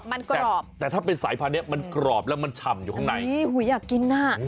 มันกรอบแต่ถ้าเป็นสายพันธุ์มันกรอบแล้วมันฉ่ำอยู่ข้างในนี่หูยอยากกินน่ะ